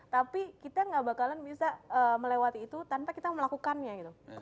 tapi kita gak bakalan bisa melewati itu tanpa kita melakukannya gitu